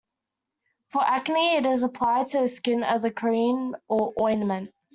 For acne it is applied to the skin as a cream or ointment.